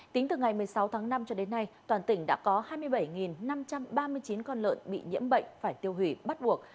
tính từ ngày một mươi sáu tháng năm cho đến nay toàn tỉnh đã có hai mươi bảy năm trăm ba mươi chín con lợn bị nhiễm bệnh phải tiêu hủy bắt buộc